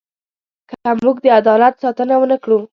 که موږ د عدالت ساتنه ونه کړو.